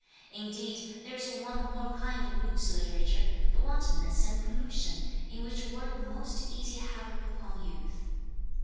Indeed, there is one more kind of loose literature, the wantonness and pollution in which work most easy havoc upon youth.